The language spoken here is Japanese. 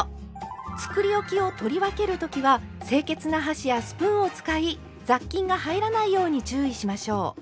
つくりおきを取り分けるときは清潔な箸やスプーンを使い雑菌が入らないように注意しましょう。